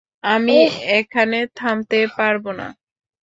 আমি এখানে থাকতে পারবো না।